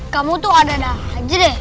kamu tuh ada da'ah aja deh